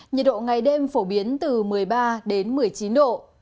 nhiệt độ ngày đêm phổ biến từ một mươi ba đến một mươi chín độ